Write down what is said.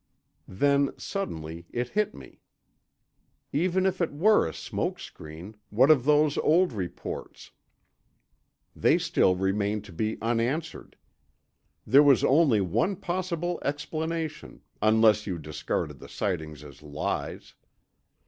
Then suddenly it hit me. Even if it were a smoke screen, what of those old reports? They still remained to be answered. There was only one possible explanation, unless you discarded the sightings as lies.